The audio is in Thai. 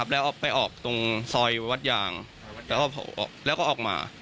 แล้วไปออกตรงซอยวัดยางแล้วก็ออกมา